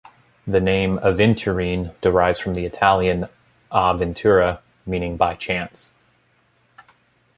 The name "aventurine" derives from the Italian "a ventura" meaning "by chance".